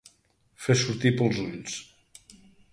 Fer sortir pels ulls.